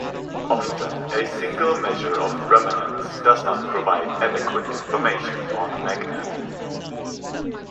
Often a single measure of remanence does not provide adequate information on a magnet.